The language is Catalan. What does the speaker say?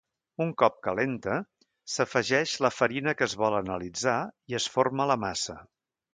Un cop calenta, s'afegeix la farina que es vol analitzar i es forma la massa.